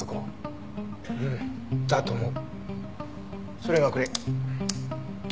それがこれ。